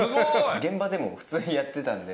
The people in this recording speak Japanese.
現場でも普通にやってたんで。